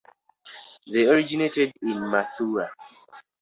They originated in Mathura.